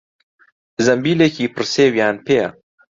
زەمبیلێکی پڕ سێویان پێیە.